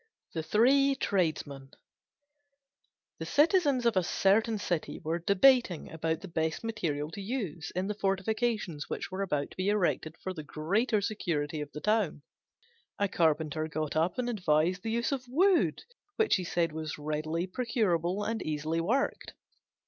THE THREE TRADESMEN The citizens of a certain city were debating about the best material to use in the fortifications which were about to be erected for the greater security of the town. A Carpenter got up and advised the use of wood, which he said was readily procurable and easily worked.